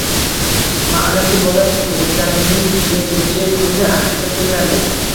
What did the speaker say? Ma’lumki, bola tug‘ilganining yettinchi kuni aqiqa qilinadi.